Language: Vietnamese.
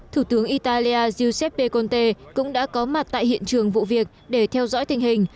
thủ tướng italia giuseppe conte cũng đã có mặt tại hiện trường vụ việc để theo dõi tình hình